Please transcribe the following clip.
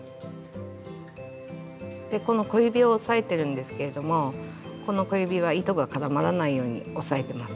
この小指を押さえてるんですけれどもこの小指は糸が絡まらないように押さえてます。